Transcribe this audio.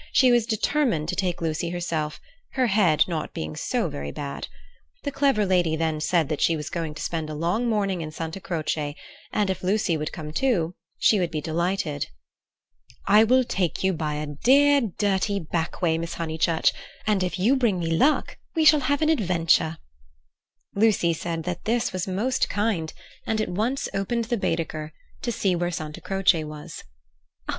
She was determined to take Lucy herself, her head not being so very bad. The clever lady then said that she was going to spend a long morning in Santa Croce, and if Lucy would come too, she would be delighted. "I will take you by a dear dirty back way, Miss Honeychurch, and if you bring me luck, we shall have an adventure." Lucy said that this was most kind, and at once opened the Baedeker, to see where Santa Croce was.